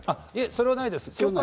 それはないです。